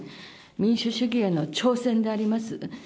民主主義への挑戦であります。